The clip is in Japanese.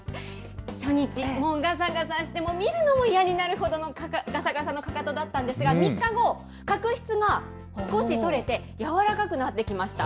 初日、もうがさがさして、見るのも嫌になるほどのがさがさのかかとだったんですが、３日後、角質が少し取れて、柔らかくなってきました。